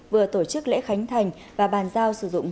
vừa tổ chức lễ khánh thành và bàn giao sử dụng